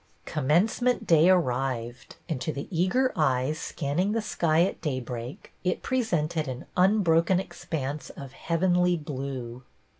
Commencement day arrived, and to the eager eyes scanning the sky at daybreak, it presented an unbroken expanse of heavenly blue.